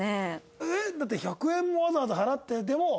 ええーだって１００円もわざわざ払ってでも。